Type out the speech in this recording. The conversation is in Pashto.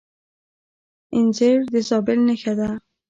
انځر د زابل نښه ده.